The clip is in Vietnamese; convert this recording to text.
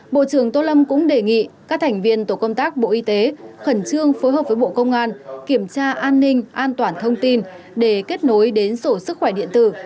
bộ trưởng tô lâm cũng đề nghị các thành viên tổ công tác bộ y tế khẩn trương phối hợp với bộ công an kiểm tra an ninh an toàn thông tin để kết nối đến sổ sức khỏe điện tử